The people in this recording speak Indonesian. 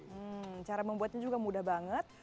hmm cara membuatnya juga mudah banget